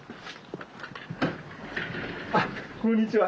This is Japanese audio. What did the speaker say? あっこんにちは。